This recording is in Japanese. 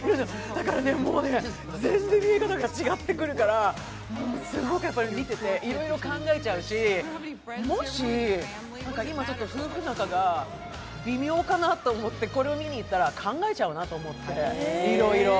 だからもう、全然見え方が違ってくるから、もうすごく見てていろいろ考えちゃうし、もし今、夫婦仲が微妙かなと思ってこれを見に行ったら考えちゃうなと思って、いろいろ。